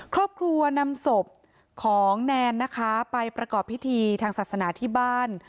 ครอบครัวนำศพของแนนนะคะไปประกอบพิธีทางศาสนาที่บ้าน